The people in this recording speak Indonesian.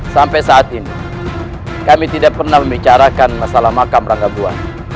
sampai saat ini kami tidak pernah membicarakan masalah makam ranggabuan